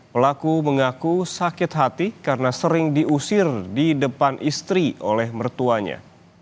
pelaku mengaku sakit hati karena sering diusir di depan istri oleh mertuanya